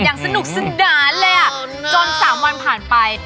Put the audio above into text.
ยังสนุกสนานแหละจนสามวันผ่านไป